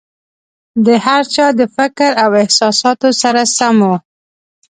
د هر چا د فکر او احساساتو سره سم وو.